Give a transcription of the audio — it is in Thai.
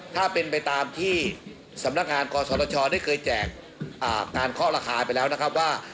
ถ้าเป็นไปตามที่สำนักงานกศชได้เคยแจกการเคาะราคาไปแล้วนะครับว่า